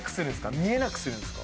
見えなくするんですか？